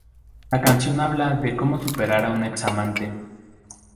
La canción habla de cómo superar a un ex amante.